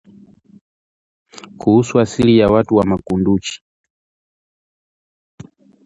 Kuhusu asili ya watu wa makunduchi